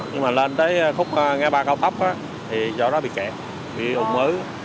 nhưng mà lên tới khúc nghe ba câu tóc thì do đó bị kẹt bị ủng ứ